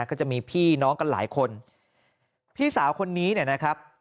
ก็จะมีพี่น้องกันหลายคนพี่สาวคนนี้เนี่ยนะครับ